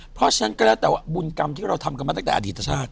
เพราะฉะนั้นก็แล้วแต่ว่าบุญกรรมที่เราทำกันมาตั้งแต่อดีตชาติ